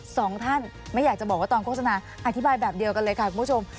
สองท่านไม่อยากจะบอกว่าตอนโฆษณาอธิบายแบบเดียวกันเลยค่ะคุณผู้ชม